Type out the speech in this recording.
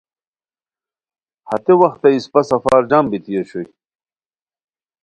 ہتے وختہ اِسپہ سفر جم بیتی اوشوئے